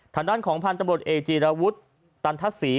ฐานด้านของพรรณตรรมรวรตเอจีรวุทตันทัศน์ศรี